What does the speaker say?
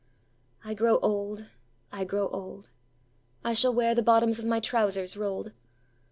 I grow old … I grow old …I shall wear the bottoms of my trousers rolled.